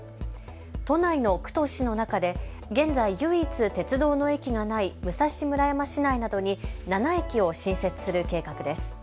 都内の区と市の中で現在、唯一、鉄道の駅がない武蔵村山市内などに７駅を新設する計画です。